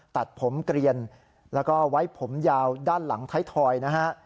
ตัดผมเกลียนแล้วก็ไว้ผมยาวด้านหลังไทยทอยนะฮะ